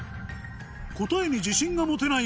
答えに自信が持てない